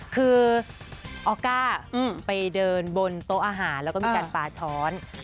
คือออก้าไปเดินบนโต๊ะอาหารแล้วก็มีการปลาช้อน